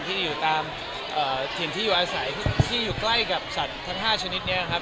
ที่อยู่ตามถิ่นที่อยู่อาศัยที่อยู่ใกล้กับสัตว์ทั้ง๕ชนิดนี้ครับ